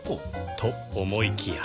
と思いきや